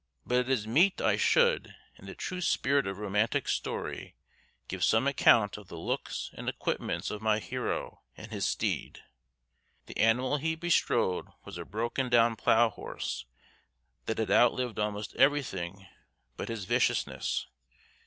But it is meet I should, in the true spirit of romantic story, give some account of the looks and equipments of my hero and his steed. The animal he bestrode was a broken down plough horse that had outlived almost everything but his viciousness.